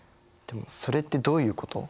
でもそれってどういうこと？